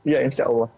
ya insya allah